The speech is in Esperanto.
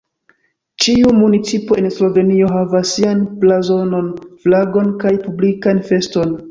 Ĉiu municipo en Slovenio havas sian blazonon, flagon kaj publikan feston.